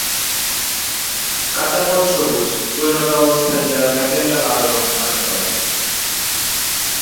কাঁচা ফল সবুজ, পরিণত অবস্থায় যা ম্যাজেন্টা লাল-রং ধারণ করে।